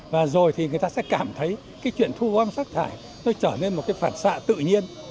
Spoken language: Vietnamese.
và rồi thì người ta sẽ cảm thấy cái chuyện thu gom rác thải nó trở nên một cái phản xạ tự nhiên